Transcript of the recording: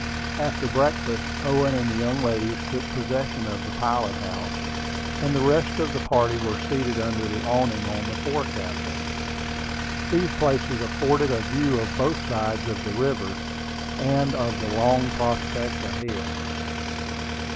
After breakfast, Owen and the young ladies took possession of the pilot house, and the rest of the party were seated under the awning on the forecastle. These places afforded a view of both sides of the river, and of the long prospect ahead.